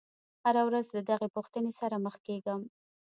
هره ورځ له دغې پوښتنې سره مخ کېږم.